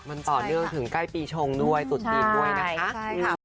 มันต่อเนื่องถึงใกล้ปีชงด้วยตรุษจีนด้วยนะคะ